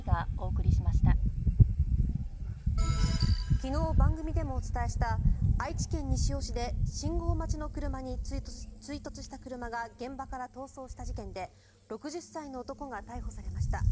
昨日、番組でもお伝えした愛知県西尾市で信号待ちの車に追突した車が現場から逃走した事件で６０歳の男が逮捕されました。